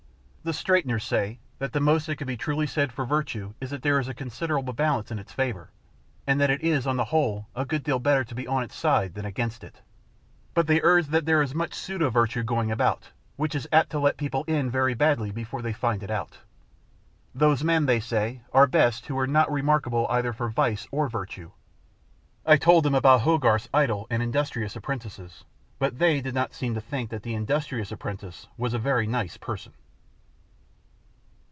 The straighteners say that the most that can be truly said for virtue is that there is a considerable balance in its favour, and that it is on the whole a good deal better to be on its side than against it; but they urge that there is much pseudo virtue going about, which is apt to let people in very badly before they find it out. Those men, they say, are best who are not remarkable either for vice or virtue. I told them about Hogarth's idle and industrious apprentices, but they did not seem to think that the industrious apprentice was a very nice person.